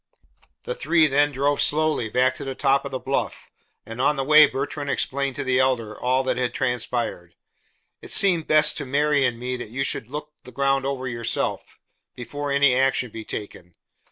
The three then drove slowly back to the top of the bluff, and on the way Bertrand explained to the Elder all that had transpired. "It seemed best to Mary and me that you should look the ground over yourself, before any action be taken.